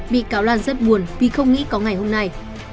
bị cáo lan rất buồn vì không nghĩ có ngày hôm nay